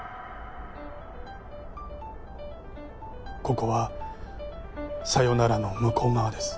ここはさよならの向う側です。